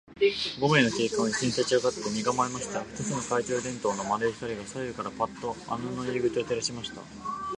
五名の警官はいっせいに立ちあがって、身がまえました。二つの懐中電燈の丸い光が、左右からパッと穴の入り口を照らしました。